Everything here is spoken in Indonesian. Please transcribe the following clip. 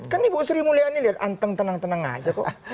kan ibu sri mulyani lihat anteng tenang tenang aja kok